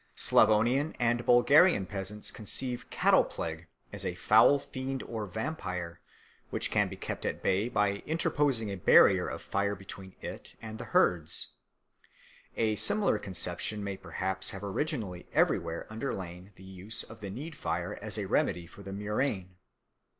Slavonian and Bulgarian peasants conceive cattle plague as a foul fiend or vampyre which can be kept at bay by interposing a barrier of fire between it and the herds. A similar conception may perhaps have originally everywhere underlain the use of the need fire as a remedy for the murrain.